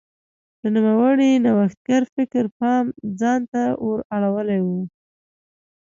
د نوموړي نوښتګر فکر پام ځان ته ور اړولی و.